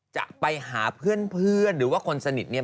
จะไปหาเพื่อนหรือว่าคนสนิทเนี่ย